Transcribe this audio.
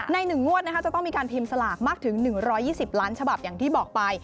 ๑งวดจะต้องมีการพิมพ์สลากมากถึง๑๒๐ล้านฉบับอย่างที่บอกไป